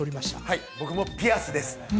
はい僕も「ピアス」です